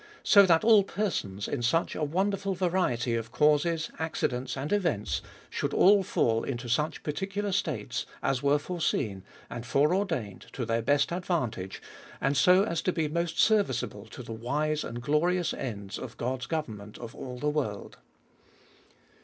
So that all persons, in such a wonderful variety of causes, accidents, and events, should all fall into such particular states, as were fore seen and fore ordained to their best advantage, and so as to be most serviceable to the wise and glorious ends of God's government of all the world.